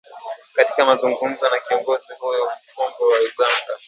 katika mazungumzo na kiongozi huyo mkongwe wa Uganda